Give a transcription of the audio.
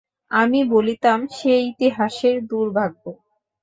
আমি বলিতাম, সে ইতিহাসের দুর্ভাগ্য!